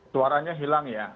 suaranya hilang ya